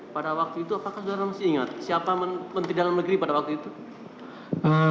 pada waktu itu apakah saudara masih ingat siapa menteri dalam negeri pada waktu itu